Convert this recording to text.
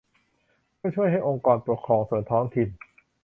เพื่อช่วยให้องค์กรปกครองส่วนท้องถิ่น